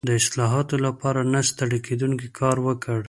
د اصلاحاتو لپاره نه ستړی کېدونکی کار وکړ.